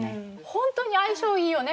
ホントに相性いいよね